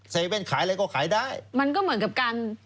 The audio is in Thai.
เว่นขายอะไรก็ขายได้มันก็เหมือนกับการ